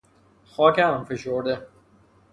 خاک همفشرده